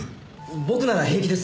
僕なら平気です。